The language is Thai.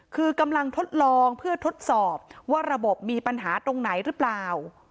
คือกำลังทดลองเพื่อทดสอบว่าระบบมีปัญหาตรงไหนหรือเปล่า